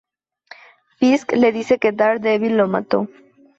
Fisk le dice que Daredevil lo mato.